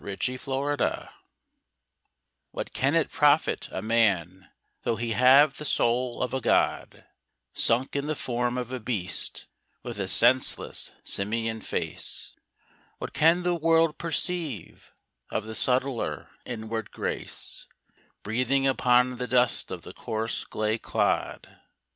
In Bondage What can it profit a man tho' he have the soul of a god Sunk in the form of a beast, with a senseless simian face What can the world perceive of the subtler inward grace Breathing upon the dust of the coarse clay clod?